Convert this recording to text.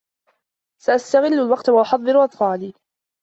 سأستغلّ الوقت و أُحضّر أطفالي.